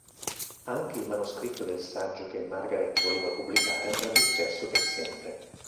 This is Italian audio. Anche il manoscritto del saggio che Margaret voleva pubblicare andrà disperso per sempre.